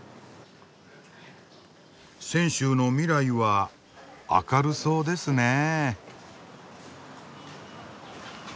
泉州の未来は明るそうですねえ。